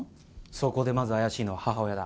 そこでまず怪しいのは母親だ。